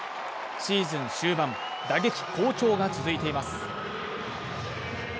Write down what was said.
シーズン終盤、打撃好調が続いています。